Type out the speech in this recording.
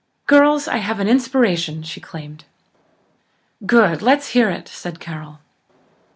"Girls, I have an inspiration!" she exclaimed. "Good! Let's hear it," said Carol.